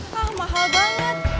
hah mahal banget